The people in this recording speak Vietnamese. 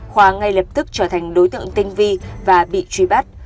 khoa ngay lập tức trở thành đối tượng tinh vi và bị truy bắt